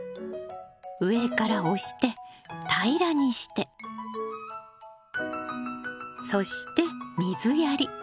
上から押して平らにしてそして水やり。